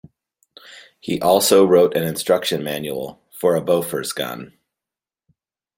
He also wrote an instruction manual for a Bofors gun.